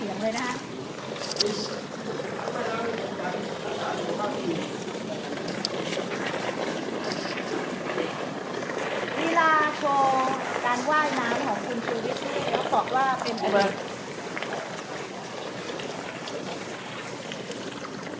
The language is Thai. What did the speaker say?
นี่ล่ะช่วงการว่ายน้ำของคุณชีวิตนี้แล้วบอกว่าเป็นอะไร